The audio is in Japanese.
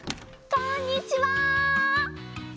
こんにちは。